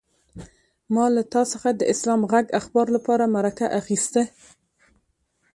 ما له تا څخه د اسلام غږ اخبار لپاره مرکه اخيسته.